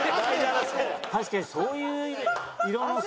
確かにそういう色のさ